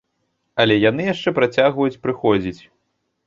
Але яны яшчэ працягваюць прыходзіць.